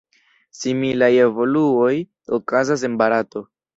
Similaj evoluoj okazas en Barato.